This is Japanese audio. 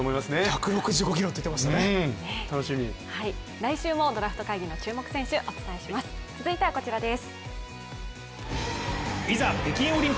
来週もドラフト会議の注目選手、お伝えします。